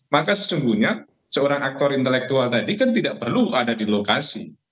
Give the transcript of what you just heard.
maka sesungguhnya seorang aktor intelektual tadi kan tidak perlu ada di lokasi